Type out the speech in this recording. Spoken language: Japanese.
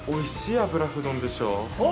油麩丼でしょう？